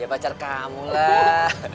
ya pacar kamu lah